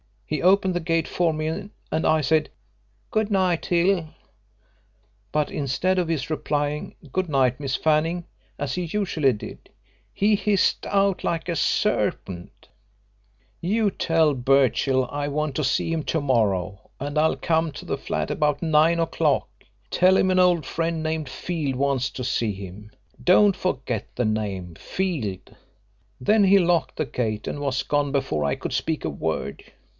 He opened the gate for me and I said 'Good night, Hill,' but instead of his replying 'Good night, Miss Fanning,' as he usually did, he hissed out like a serpent, 'You tell Birchill I want to see him to morrow, and I'll come to the flat about 9 o'clock. Tell him an old friend named Field wants to see him. Don't forget the name Field!' Then he locked the gate and was gone before I could speak a word.